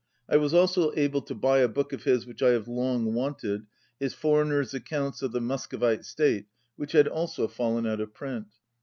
I was also able to buy a book of his which I have long wanted, his "Foreigners' Ac counts of the Muscovite State," which had also fallen out of print.